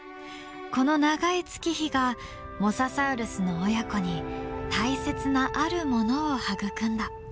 この長い月日がモササウルスの親子に大切なあるものを育んだ。